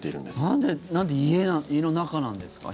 なんで家の中なんですか？